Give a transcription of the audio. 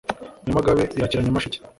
Nyamagabe irakira Nyamasheke